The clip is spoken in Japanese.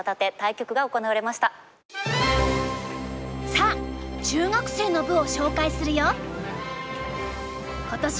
さあ中学生の部を紹介するよ。